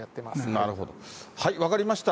なるほど、分かりました。